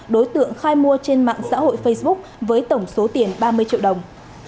đối tượng khai mua trên mạng xã hội facebook với tổng số tiền ba mươi triệu đồng